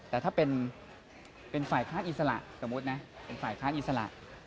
แต่ถ้าเป็นฝ่ายค้านอิสระสมมุตินะเป็นฝ่ายค้านอิสระ